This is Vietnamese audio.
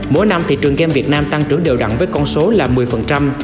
mỗi năm thị trường kem việt nam tăng trưởng đều đặn với con số là một mươi